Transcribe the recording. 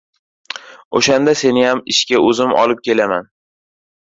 Oʻshanda seniyam ishga oʻzim olib kelaman.